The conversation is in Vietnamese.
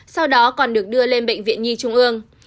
sau đó còn được đưa lên bệnh viện nhi trung ương